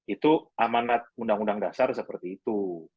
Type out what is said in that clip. itu amanat undang undang dasar seperti itu